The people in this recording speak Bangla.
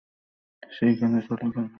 সেইখানে চলে গেল।